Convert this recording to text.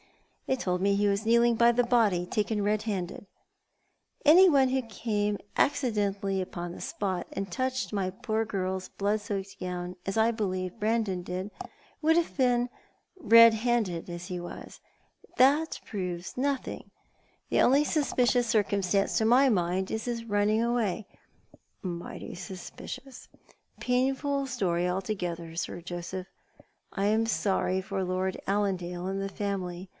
'•They told mc he was kneeling by the body, taken red handed." " Any one who came accidentally Tipon the spot, and touched my poor girl's blood soaked gown, as I believe Brandon did, would have been red handed as he was. That proves nothing. "Half a Life away'' 179 The only suspicious circumstance to my mind is his running away." " Miglitily sugpiciouR. A painfial story altogether, Sir Joseph. I am sorry for Lord AUandale and the family.